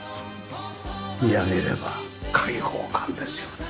見上げれば開放感ですよね。